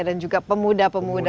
dan juga pemuda pemuda